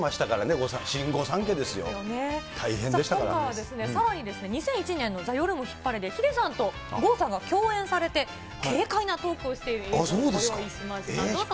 郷さんはですね、さらに２００１年のＴＨＥ夜もヒッパレで郷さんが共演されて、軽快なトークをしている映像をご用意しました。